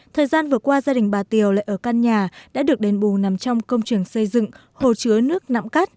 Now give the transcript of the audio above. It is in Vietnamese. thời gian vừa qua gia đình bà tiều lại ở căn nhà đã được đền bù nằm trong công trường xây dựng hồ chứa nước nạm cát